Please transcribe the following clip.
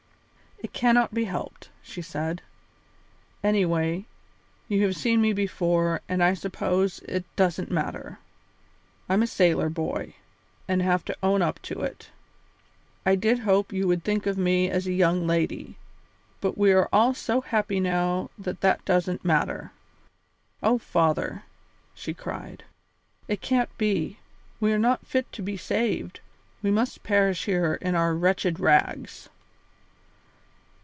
"It cannot be helped," she said; "anyway, you have seen me before, and I suppose it doesn't matter. I'm a sailor boy, and have to own up to it. I did hope you would think of me as a young lady, but we are all so happy now that that doesn't matter. Oh, father!" she cried, "it can't be; we are not fit to be saved; we must perish here in our wretched rags."